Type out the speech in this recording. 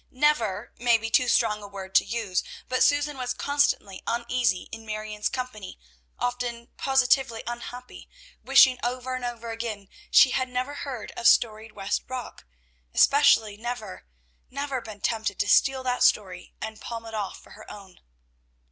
Never may be too strong a word to use; but Susan was constantly uneasy in Marion's company, often positively unhappy, wishing over and over again she had never heard of "Storied West Rock," especially never, never been tempted to steal that story, and palm it off for her own.